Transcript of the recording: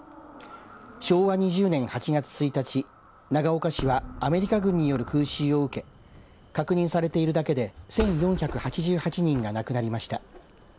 昭和２０年８月１日長岡市はアメリカ軍による空襲を受け確認されているだけで１４８８人が亡くなりました。